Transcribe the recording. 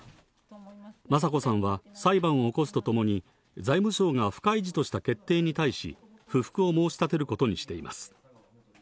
雅子さんは裁判を起こすとともに、財務省が不開示とした決定に対し、不服を申し立てることにしています。